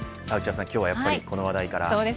今日はやっぱりこの話題から。